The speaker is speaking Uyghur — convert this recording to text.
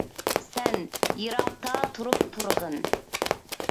سەن يىراقتا تۇرۇپ تۇرغىن.